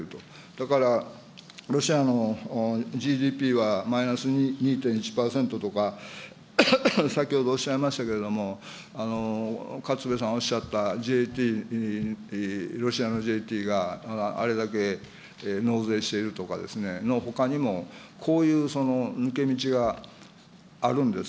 だからロシアのＧＤＰはマイナス２．１％とか、先ほどおっしゃいましたけれども、勝部さんおっしゃったＪＴ、ロシアのＪＴが、あれだけ納税しているとかですね、のほかにも、こういう抜け道があるんです。